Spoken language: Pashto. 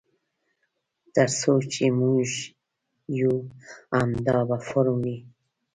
تر څو چې موږ یو همدا به فورم وي.